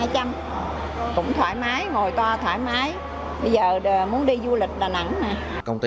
cũng thoải mái ngồi to thoải mái bây giờ muốn đi du lịch là nặng